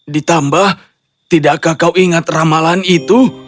ditambah tidakkah kau ingat ramalan itu